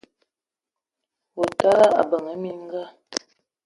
O tala ebeng minga